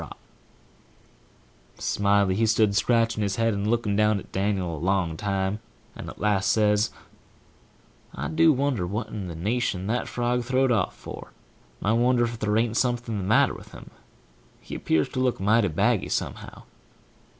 div> Smiley he stood scratching his head and looking down at Dan'l a long time, and at last he says, "I do wonder what in the nation that frog throw'd off for&#8212I wonder if there an't something the matter with him&#8212he 'pears to look might baggy, somehow."